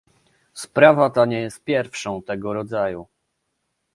Sprawa ta nie jest pierwszą tego rodzaju